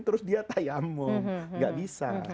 terus dia tayamu gak bisa